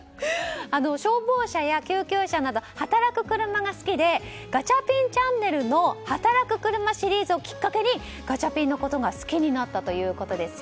消防車や救急車や働く車が好きで「ガチャピンちゃんねる」の「はたらくくるま」シリーズをきっかけにガチャピンのことが好きになったということです。